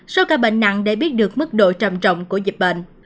số ca bệnh nặng để biết được mức độ trầm trọng của dịch bệnh